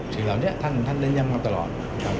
ถึงเหล่านี้ท่านแนะนำมาตลอด